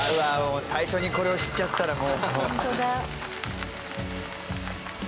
最初にこれを知っちゃったらもう。